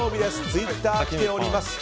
ツイッター来ております。